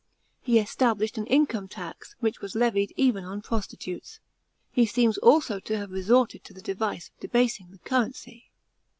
He established an income tax, which was levied even on prostitutes. He seems to have nlso resorted to the device of debasing the currency.